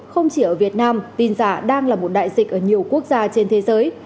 không chỉ ở việt nam tin giả đang là một đại dịch ở nhiều quốc gia trên thế giới